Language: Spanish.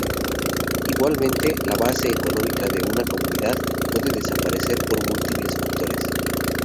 Igualmente, la base económica de una comunidad puede desaparecer por múltiples factores.